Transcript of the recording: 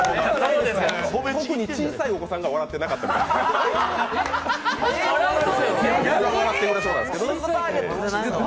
特に小さいお子さんが笑ってなかったと。